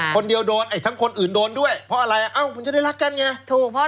คนเดียวโดนทั้งคนอื่นโดนด้วยเพราะอะไรเอ้ามันจะได้รักกันไง